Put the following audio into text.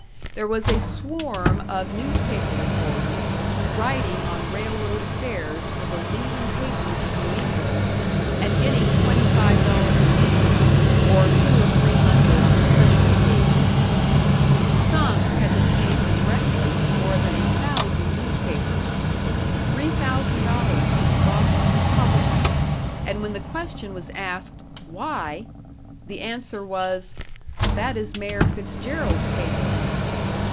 There was a swarm of newspaper reporters, writing on railroad affairs for the leading papers of New England, and getting twenty five dollars weekly, or two or three hundred on special occasions. Sums had been paid directly to more than a thousand newspapers $3,000 to the Boston "Republic", and when the question was asked "Why?" the answer was, "That is Mayor Fitzgerald's paper."